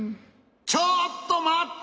ちょっとまって！